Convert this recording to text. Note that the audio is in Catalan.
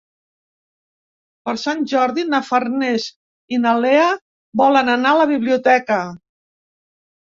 Per Sant Jordi na Farners i na Lea volen anar a la biblioteca.